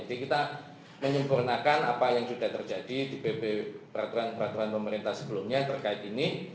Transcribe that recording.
jadi kita menyempurnakan apa yang sudah terjadi di bp peraturan peraturan pemerintah sebelumnya terkait ini